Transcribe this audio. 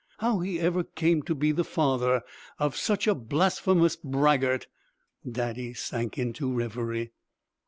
How he ever came to be the father of such a blasphemous braggart" Daddy sank into reverie.